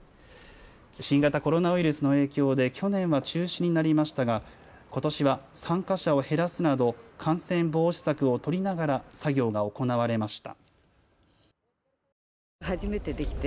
新型コロナウイルスの影響で去年は中止になりましたがことしは参加者を減らすなど感染防止策を取りながら作業が行われました。